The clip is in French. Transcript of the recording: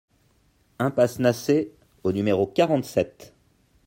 Impasse Naçay au numéro quarante-sept